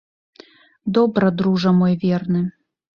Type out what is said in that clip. Добра, дружа мой верны!